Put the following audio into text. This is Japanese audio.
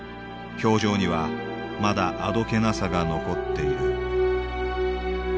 表情にはまだあどけなさが残っている。